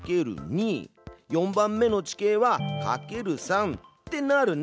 ４番目の地形はかける３ってなるね。